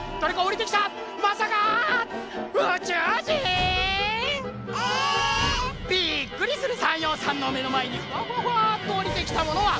びっくりするさんようさんのめのまえにふわふわふわっとおりてきたものは。